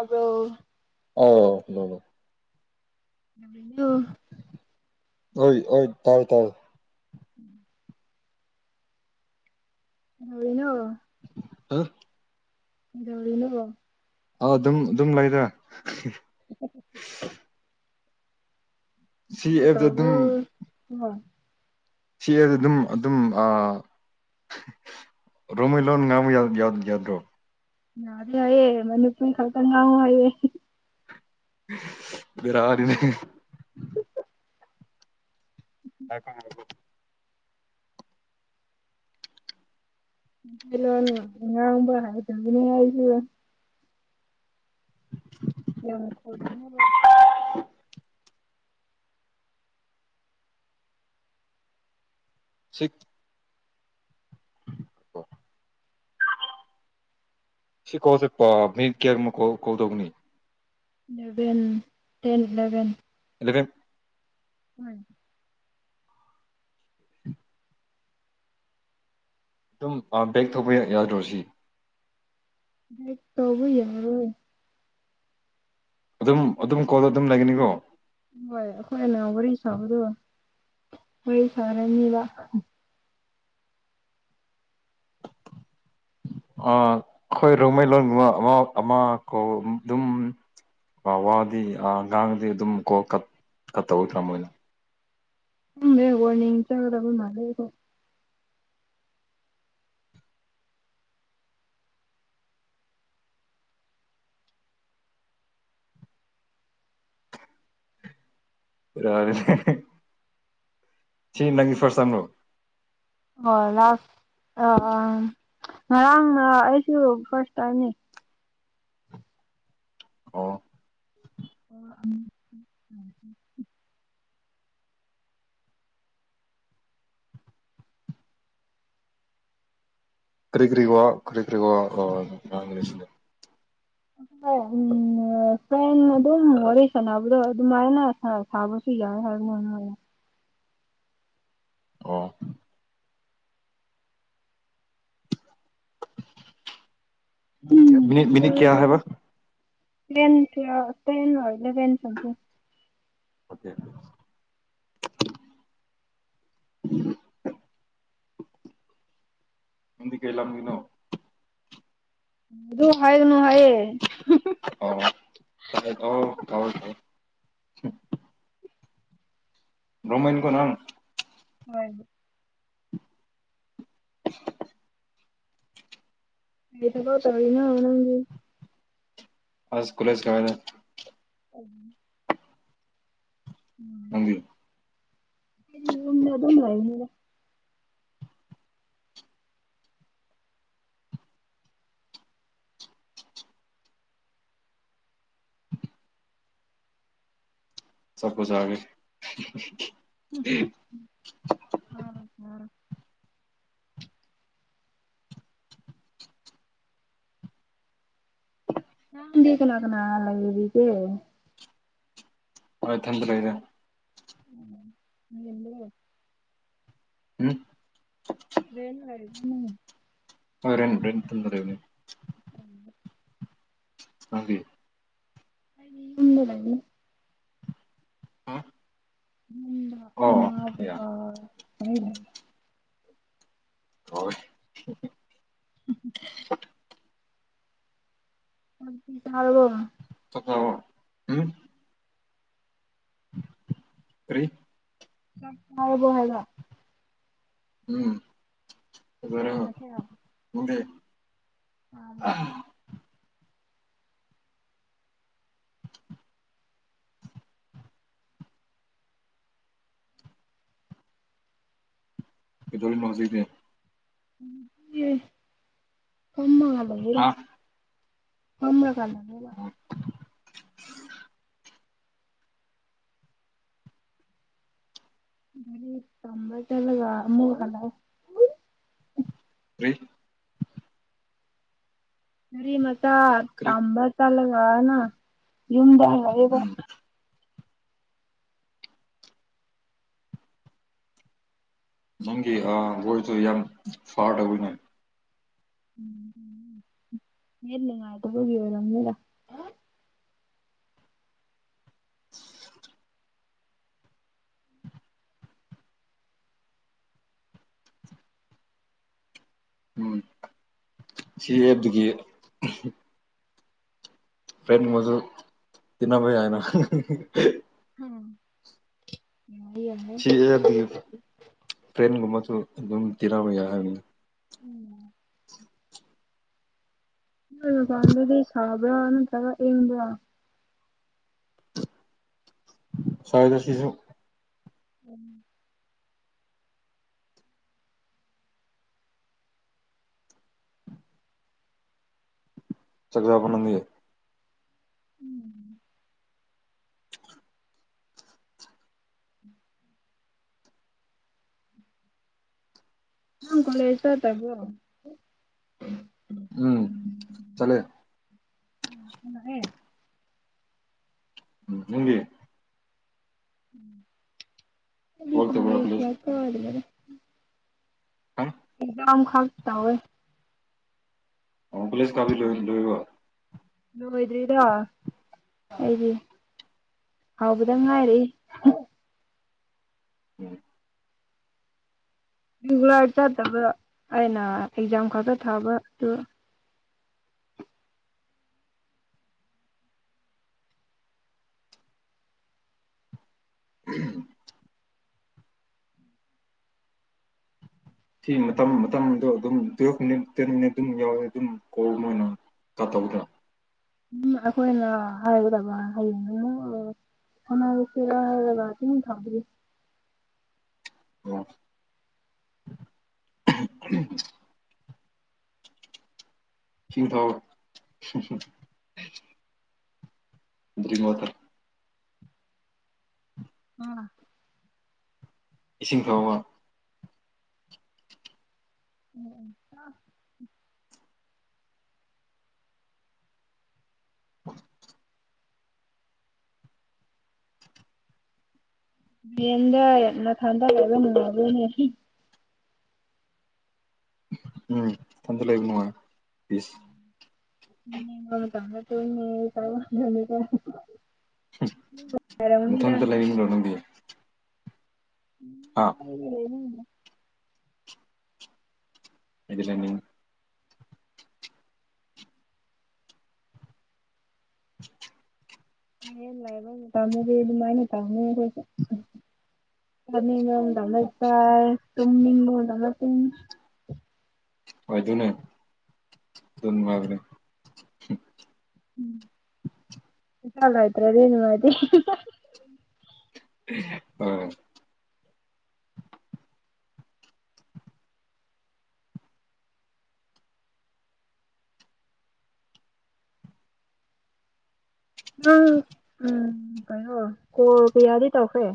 ꯑꯗꯣ [unintelligible] ꯑꯣ ꯍꯣꯏ ꯑꯣꯏ ꯇꯔꯦ ꯇꯔꯦ ꯎꯝ [unintelligible] [unintelligible] ꯀꯩꯗꯧꯔꯤꯅꯣ ꯑꯥ ꯑꯗꯨꯝ ꯑꯗꯨꯝ ꯂꯩꯗ [inaudible] ꯁꯤ ꯑꯦꯞꯇ [unintelligible] ꯆꯦꯁꯨ ꯑꯗꯨ ꯑꯗꯨꯝ ꯑꯗꯨꯝ ꯑ ꯔꯣꯃꯩꯂꯣꯟ ꯉꯥꯡꯕ ꯌꯥ ꯌꯥ ꯌꯥꯗ ꯌꯦꯗꯦ ꯍꯥꯏꯌꯦ ꯃꯅꯤꯄꯨꯔ ꯈꯛꯇ ꯉꯥꯡꯉꯣ ꯍꯥꯏꯌꯦ ꯕꯦꯔꯅꯤꯅꯦ [inaudible] ꯃꯩꯇꯩꯂꯣꯟ ꯉꯥꯡꯕ [unintelligible] ꯌꯥꯝ [unintelligible] ꯁꯤ ꯑꯣ [unintelligible] eleven ten eleven eleven um ꯑꯗꯨꯝ ꯑꯥ ꯕꯦꯛ ꯊꯣꯛꯄ ꯌꯥꯗ꯭ꯔꯣꯁꯤ [unintelligible] ꯇꯧꯕ ꯌꯦꯡꯉꯔꯣ ꯑꯗꯨꯝ ꯑꯗꯨꯝ ꯀꯣꯜꯗ ꯑꯗꯨꯝ ꯂꯩꯒꯅꯤꯀꯣ ꯍꯣꯏ ꯑꯈꯣꯏ ꯅꯍꯥꯟ ꯋꯥꯔꯤ ꯁꯥꯕꯗ ꯋꯥꯔꯤ ꯁꯥꯔꯅꯤꯕ ꯑꯥ ꯑꯈꯣꯏ ꯔꯣꯡꯃꯩꯂꯣꯟꯒꯨꯝꯕ ꯑꯃ ꯑꯃ ꯀꯧ ꯑꯗꯨꯝ ꯋꯥꯗꯤ ꯉꯥꯡꯗꯦ ꯑꯗꯨꯝ ꯀꯣꯜ ꯀꯠ ꯀ ꯇꯧꯔ ꯃꯣꯏꯅ ꯈꯪꯗꯦ ꯋꯥꯔꯅꯤꯡ ꯆꯒꯗꯕ ꯃꯥꯜꯂꯦ ꯑꯩꯗꯣ ꯌꯥꯔꯦ ꯍꯦ ꯍꯦ ꯁꯤ ꯅꯪꯒꯤ ꯐꯥꯔꯁ ꯇꯥꯏꯝꯂꯣ ꯍꯣꯏ ꯂꯥꯁ ꯑꯥ ꯉꯔꯥꯡꯅ ꯑꯩꯁꯨ ꯐꯥꯔꯁ ꯇꯥꯏꯝꯅꯤ ꯑꯣ [inaudible] ꯀꯔꯤ ꯀꯔꯤ ꯋꯥ ꯀꯔꯤ ꯋꯥ ꯑꯥ ꯉꯥꯡꯂꯤꯁꯦ ꯎꯝ ꯐꯣꯟ ꯑꯗꯨꯝ ꯋꯥꯔꯤ ꯁꯥꯟꯅꯕꯗꯣ ꯑꯗꯨꯃꯥꯏꯅ ꯁꯥꯕꯁꯨ ꯌꯥꯏ ꯍꯥꯏꯕꯅꯤꯅ ꯑꯣ ꯎꯝ ꯃꯤꯅꯤꯠ ꯆꯥꯛ ꯃꯤꯅꯤꯠ ꯀꯌꯥ ꯆꯥꯔꯕꯣ ꯍꯥꯏꯕ ꯇꯦꯟ ꯇꯨꯋꯦꯜ ꯇꯦꯟ ꯏꯚꯦꯟ ꯇꯧꯁꯦ ꯑꯣꯀꯦ [inaudible] ꯅꯪꯗꯤ ꯀꯩ ꯂꯝ ꯒꯤꯅꯣ ꯑꯗꯣ ꯍꯥꯏꯒꯅꯨ ꯍꯥꯏꯌꯦ ꯑꯣꯑꯣ [unintelligible] ꯔꯣꯡꯃꯩꯅꯤꯀꯣ ꯅꯪ ꯍꯣꯏ [inaudible] ꯀꯩ ꯊꯕꯛ ꯇꯧꯔꯤꯅꯣ ꯅꯪꯗꯤ ꯑꯁ ꯀꯣꯜꯂꯦꯁ ꯀꯥꯏꯗ ꯎꯝ ꯅꯪꯗꯤ ꯑꯩꯗꯤ ꯌꯨꯝꯗ ꯑꯗꯨꯝ ꯂꯩꯕꯅꯤꯗ ꯑꯆꯥꯄꯣꯠ ꯆꯥꯒꯦ ꯍꯨꯝ ꯍꯨꯝ ꯆꯔꯣꯏ ꯆꯔꯣꯏ ꯅꯪꯗꯤ ꯀꯅꯥ ꯀꯅꯥ ꯂꯩꯔꯤꯒꯦ ꯍꯣꯏ ꯊꯟꯗ ꯂꯩꯅ [unintelligible] [unintelligible] ꯔꯦꯟ ꯍꯥꯢꯕꯅꯤ ꯍꯣꯂꯦꯟ ꯔꯦꯟ ꯇꯨꯟꯗ ꯂꯩꯕꯅꯤ [inaudible] ꯅꯪꯗꯤ ꯑꯩꯗꯤ ꯌꯨꯝ ꯂꯩꯕꯅꯤ ꯑ ꯌꯨꯝꯗ ꯏꯃꯥ ꯕꯕꯥ ꯍꯣꯢ ꯂꯩꯌꯦ ꯍꯣꯢ [unintelligible] ꯆꯥꯛ ꯢꯁꯤꯡ ꯆꯥꯔꯕꯣ [unintelligible] ꯎꯝ [inaudible] ꯀꯩ ꯆꯥꯛ ꯆꯥꯔꯕꯣ ꯍꯥꯏꯕ ꯎꯝ ꯎꯅꯔ ꯀꯩ ꯅꯪꯗꯤ ꯑꯗ ꯕ ꯀꯩꯗꯧꯔꯤꯃꯣ ꯍꯧꯖꯤꯛꯇꯤ ꯑꯦ ꯐꯝꯃꯒ ꯂꯩꯌꯦꯗ ꯍꯥ ꯐꯝꯔꯒ ꯂꯩꯌꯦꯕ ꯂꯔꯤꯛ ꯇꯝꯕ ꯆꯠꯂꯒ ꯑꯃꯨꯛ ꯍꯜꯂꯛꯑꯦ [unintelligible] ꯂꯤ ꯃꯆꯥ ꯀꯔꯤ ꯇꯥꯝꯕ ꯆꯠꯂꯒ ꯅꯪ ꯌꯨꯝꯗ ꯍꯜꯂꯛꯑꯦꯗ ꯎꯝ ꯅꯪꯒꯤ ꯑ ꯚꯣꯏꯁ ꯇꯨ ꯌꯥꯝ ꯐꯥꯔ ꯇꯧꯋꯤꯅꯦ ꯅꯦꯠ ꯅꯨꯉꯥꯏꯇꯕꯒꯤ ꯑꯣꯏꯔꯝꯅꯤꯗ [inaudible] ꯎꯝ ꯁꯤ ꯑꯦꯕꯗꯒꯤ ꯐ꯭ꯔꯦꯟ ꯃꯁꯨ ꯇꯤꯟꯅꯕ ꯌꯥꯢꯅ [unintelligible] ꯎꯝ ꯁꯤ ꯑꯦꯕꯗꯤ ꯐ꯭ꯔꯦꯟꯒꯨꯝꯕꯁꯨ ꯑꯗꯨꯝ ꯇꯤꯅꯕ ꯌꯥꯏ ꯍꯥꯏꯕꯅꯤ [inaudible] ꯅꯪ ꯃꯄꯥꯟꯗꯗꯤ ꯁꯥꯕ꯭ꯔ ꯅꯠꯇ꯭ꯔꯒ ꯢꯪꯕ꯭ꯔ ꯁꯥꯢꯗ ꯁꯤꯁꯨ [inaudible] ꯆꯥꯛ ꯖꯥꯔꯕꯣ ꯅꯪꯃꯤ ꯎꯝ ꯅꯪ ꯀꯣꯂꯦꯁ ꯆꯠꯇꯕ꯭ꯔꯣ ꯎꯝ ꯆꯠꯂꯦ ꯎꯝ ꯍꯜꯂꯛꯑꯦ ꯎꯝ ꯅꯪꯗꯤ ꯑꯍꯤꯡ ꯊꯕꯛ ꯇꯨꯝꯗꯦ ꯇꯧꯕ꯭ꯔꯥ ꯀꯣꯂꯦꯖ ꯂꯥꯏꯔꯤꯛ ꯄꯥꯗꯅ ꯗꯨꯝ ꯍꯥ ꯄꯨꯡ ꯇꯔꯥꯃꯈꯥꯏ ꯇꯥꯎꯋꯦ ꯑꯣꯡ ꯀꯣꯂꯦꯁ ꯀꯥꯕꯤ ꯗꯣꯔꯤ ꯗꯣꯔꯤꯕꯣ ꯂꯣꯏꯗ꯭ꯔꯤꯗ ꯑꯩꯒꯤ ꯍꯧꯕꯗ ꯉꯥꯏꯔꯤ [inaudible] ꯔꯤꯒꯨꯂꯔ ꯆꯠꯇꯕ ꯑꯩꯅ ꯑꯦꯛꯖꯥꯝ ꯈꯛꯇ ꯊꯥꯕ ꯗꯨ [inaudible] ꯁꯤ ꯃꯇꯝ ꯃꯇꯝꯗꯣ ꯑꯗꯨꯝ ꯄꯤꯔꯛꯄꯅꯦ ꯇꯦꯟ ꯃꯤꯅꯠ ꯑꯗꯨꯝ ꯌꯥꯎꯋꯦ ꯑꯗꯨꯝ ꯀꯣꯜ ꯑꯣꯏꯅ ꯇꯧꯗ꯭ꯔꯥ ꯎꯝ ꯑꯈꯣꯏꯅ ꯍꯥꯏꯒꯗꯕ ꯍꯌꯦꯡ ꯍꯣꯠꯅꯔꯁꯤꯔ ꯍꯥꯏꯔ ꯑꯗꯨꯝ ꯊꯝꯕ ꯑꯣ ꯏꯁꯤꯡ ꯊꯛ ꯑꯣ ꯑꯗꯨꯒꯤ ꯃꯍꯨꯠꯇ ꯑꯥ ꯏꯁꯤꯡ ꯊꯛ ꯑꯣꯕ ꯑꯝ ꯑꯝ [inaudible] ꯔꯦꯟꯗ ꯅꯊꯟꯗ ꯂꯩꯕ ꯅꯨꯡꯉꯥꯏꯕ꯭ꯔꯅꯦ ꯎꯝ ꯏꯊꯟꯗ ꯂꯩꯕ ꯅꯨꯡꯉꯥꯏ [unintelligible] ꯍꯝ ꯅꯨꯡꯉꯥꯏꯔꯝꯒꯅꯤꯗ ꯅꯊꯟꯇ ꯂꯩꯔꯤꯔꯣ ꯅꯪꯗꯤ ꯍꯥ [unintelligible] ꯑꯩꯗꯤ ꯂꯩꯅꯤꯡꯉꯤ [inaudible] ꯔꯦꯟ ꯂꯩꯕ ꯃꯇꯝꯗꯤ ꯑꯗꯨꯃꯥꯏ [unintelligible] [unintelligible] ꯇꯨꯝꯅꯤꯡꯕ ꯃꯇꯝꯗ ꯇꯨꯝ ꯑꯣꯏꯗꯣꯏꯅꯦ ꯑꯗꯨ ꯅꯨꯡꯉꯥꯏꯕꯗꯣ ꯎꯝ ꯄꯩꯁꯥ ꯂꯩꯇ꯭ꯔꯗꯤ ꯅꯨꯡꯉꯥꯏꯇꯦ ꯍꯣꯏ ꯎꯝ ꯎꯝ ꯀꯥꯅꯣ ꯀꯥꯔꯗꯤ ꯇꯧꯈ꯭ꯔꯦ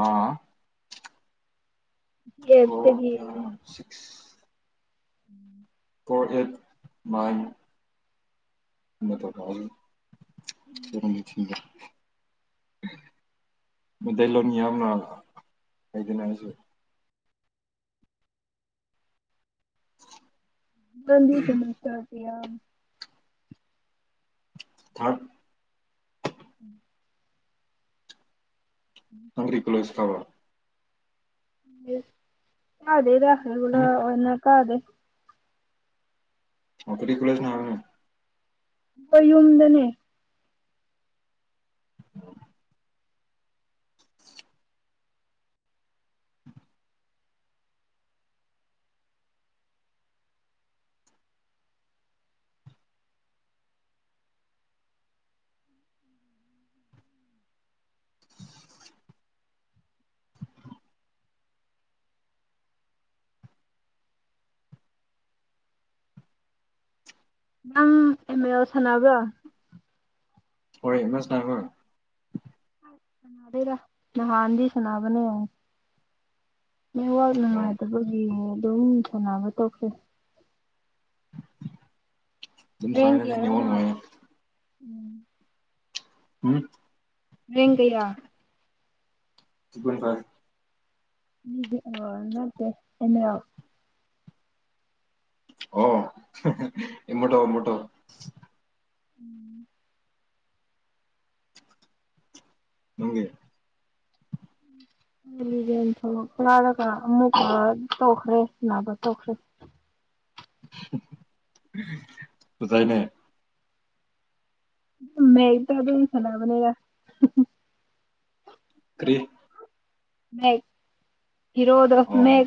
ꯑꯥ ꯀꯣꯔ ꯀꯌꯥ [unintelligible] six um four eight nine [unintelligible] Meiteilon ꯌꯥꯝꯅ ꯍꯩꯕꯅꯦ ꯑꯩꯁꯦ [unintelligible] ꯊꯥꯛ ꯎꯝ ꯅꯪꯗꯤ ꯀꯣꯜꯂꯦꯁ ꯀꯥꯕ꯭ꯔ ꯀꯥꯗꯦꯗ ꯔꯤꯒꯨꯂ꯭ꯔ ꯎꯝ ꯑꯣꯏꯅ ꯀꯥꯗꯦ ꯑꯗꯨꯗꯤ ꯂꯣꯏꯅ ꯑꯈꯣꯏ ꯌꯨꯝꯗꯅꯦ ꯅꯪ ꯑꯦꯝ ꯑꯦꯜ ꯁꯥꯟꯅꯕ꯭ꯔꯥ ꯍꯣꯏ ꯅꯪ ꯁꯥꯟꯅꯕ꯭ꯔ ꯁꯥꯟꯅꯗꯦꯗ ꯅꯍꯥꯟꯗꯤ ꯁꯥꯟꯅꯕꯅꯦ ꯅꯦꯠꯋꯥꯛ ꯑꯣ ꯅꯨꯡꯉꯥꯏꯇꯕꯒꯤ ꯑꯗꯨꯝ ꯁꯥꯟꯅꯕ ꯇꯧꯛꯈ꯭ꯔꯦ ꯑꯗꯨꯝ ꯔꯦꯡ ꯁꯥꯟꯅꯔꯗꯤ ꯀꯌꯥꯔ ꯅꯦꯠꯋꯥꯛ ꯅꯪ ꯅꯨꯡꯉꯥꯏꯌꯦ ꯍꯝ ꯔꯤꯡ ꯀꯥꯌ ꯇꯨ ꯄꯣꯏꯟꯠ ꯐꯥꯏꯚ ꯑꯗꯨꯗꯤ ꯅꯠꯇꯦ ꯑꯥ ꯑꯦꯝ ꯑꯦꯜ ꯑꯣ ꯍꯦꯍꯦ [unintelligible] ꯎꯝ ꯅꯪꯒꯤ ꯏꯜꯂꯚꯦꯟ ꯐꯥꯎ ꯀꯥꯔꯛ ꯑꯃꯨꯛꯀ ꯇꯣꯛꯈ꯭ꯔꯦ [unintelligible] ꯐꯖꯨꯅꯦ ꯃꯦꯛꯇ ꯑꯗꯨꯝ ꯁꯥꯟꯅꯕꯅꯤꯗ ꯀꯔꯤ ꯃꯦꯛ ꯍꯤꯔꯣꯗꯣ ꯑꯣ ꯃꯦꯛ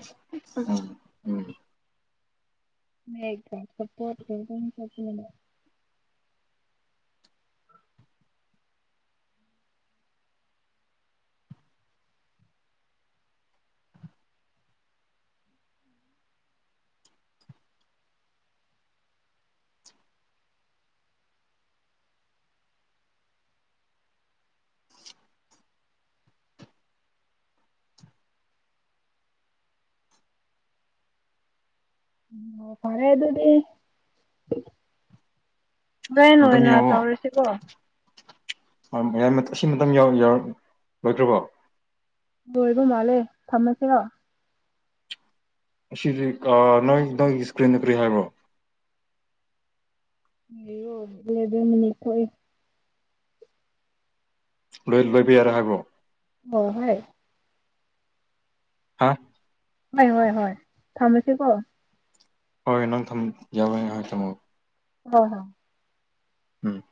ꯎꯝ ꯎꯝ [inaudible] ꯑꯣ ꯐꯔꯦ ꯑꯗꯨꯗꯤ ꯍꯣꯔꯦꯟ ꯃꯇꯝ ꯑꯣꯏꯅ ꯌꯥꯎꯋꯣ ꯇꯧꯔꯤꯁꯤꯀꯣ [unintelligible] ꯑꯁꯤ ꯃꯇꯝ ꯌꯧꯔꯛ ꯌꯧꯔꯛ ꯂꯣꯏꯗ꯭ꯔꯣꯕꯣ ꯂꯣꯏꯕ ꯃꯥꯜꯂꯦ ꯊꯝꯃꯁꯤꯔꯣ ꯑꯁꯤꯁ ꯅꯣꯏ ꯅꯣꯏꯒꯤ ꯏꯁꯀ꯭ꯔꯤꯟꯗ ꯀꯔꯤ ꯍꯥꯏꯕꯣ [unintelligible] ꯎꯣꯔꯦꯟ ꯂꯣꯏꯕ ꯌꯥꯔꯦ ꯍꯥꯏꯕ꯭ꯔꯣ ꯑꯣ ꯍꯣꯏ ꯍꯥ ꯍꯣꯏ ꯍꯣꯏ ꯍꯣꯏ ꯊꯝꯃꯁꯤꯀꯣ ꯍꯣꯏ ꯅꯪ ꯊꯝ ꯌꯥꯔꯦ ꯍꯣꯏ ꯊꯝꯃꯣ ꯍꯣꯏ ꯍꯣꯏ ꯎꯝ